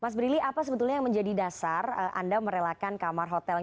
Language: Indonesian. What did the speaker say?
mas brili apa sebetulnya yang menjadi dasar anda merelakan kamar hotel